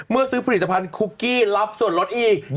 ซื้อผลิตภัณฑ์คุกกี้รับส่วนลดอีก